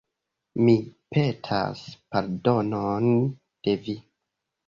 Mi petas pardonon de vi.